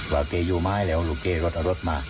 ว่าเกรย์อยู่มาให้แล้วหลุงเกรย์รถเอารถมา